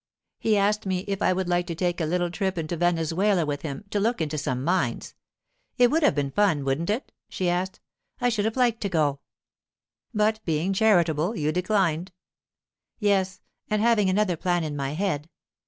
He asked me if I would like to take a little trip into Venezuela with him to look into some mines. It would have been fun, wouldn't it?' she asked. 'I should have liked to go.' 'But, being charitable, you declined?' 'Yes, and having another plan in my head.